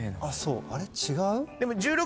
あれ違う？